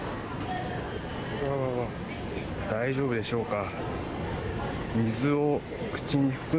大丈夫でしょうか。